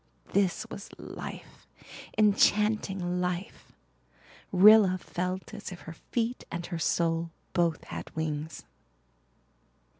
This was life enchanting life. Rilla felt as if her feet and her soul both had wings.